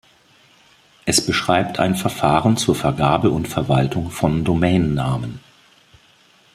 Es beschreibt ein Verfahren zur Vergabe und Verwaltung von Domain-Namen.